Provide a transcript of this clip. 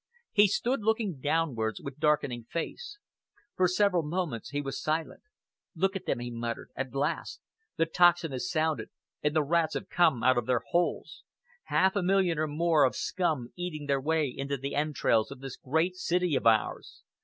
He stood looking downwards with darkening face. For several moments he was silent. "Look at them!" he muttered. "At last! The tocsin has sounded, and the rats have come out of their holes! Half a million and more of scum eating their way into the entrails of this great city of ours.